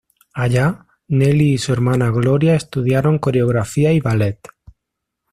Allá, Nellie y su hermana Gloria estudiaron coreografía y ballet.